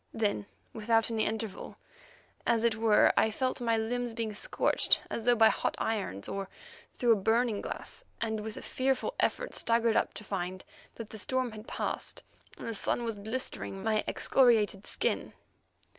Then, without any interval, as it were, I felt my limbs being scorched as though by hot irons or through a burning glass, and with a fearful effort staggered up to find that the storm had passed, and that the furious sun was blistering my excoriated skin.